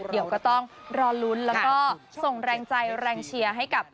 เดี๋ยวก็ต้องรอลุ้นแล้วก็ส่งแรงใจแรงเชียร์ให้กับ